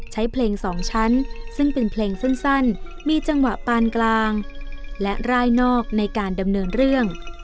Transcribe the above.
ใช้เพลงสองชั้นซึ่งเป็นเพลงสั้นมีจังหวะปานกลางและร่ายนอกในการดำเนินเรื่อง